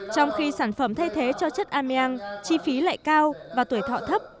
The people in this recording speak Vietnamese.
trong khi sản phẩm thay thế cho chất ameang chi phí lại cao và tuổi thọ thấp